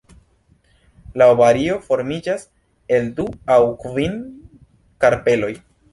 La ovario formiĝas el du aŭ kvin karpeloj.